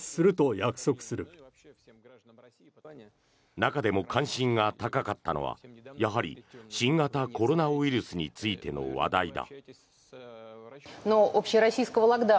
中でも関心が高かったのはやはり新型コロナウイルスについての話題だ。